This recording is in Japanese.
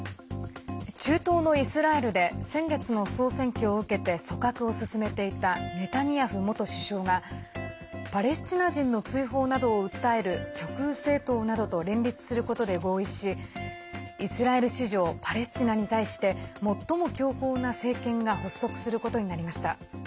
中東のイスラエルで先月の総選挙を受けて組閣を進めていたネタニヤフ元首相がパレスチナ人の追放などを訴える極右政党などと連立することで合意しイスラエル史上パレスチナに対して最も強硬な政権が発足することになりました。